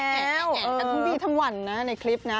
กันทั้งวี่ทั้งวันนะในคลิปนะ